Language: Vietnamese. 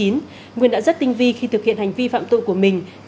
nguyên đã rất tinh vi khi thực hiện hành vi phạm tội của mình